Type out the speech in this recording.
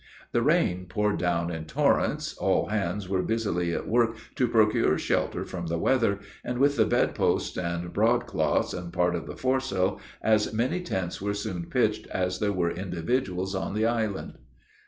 The rain poured down in torrents all hands were busily at work to procure shelter from the weather; and with the bed posts and broadcloths, and part of the foresail, as many tents were soon pitched as there were individuals on the island.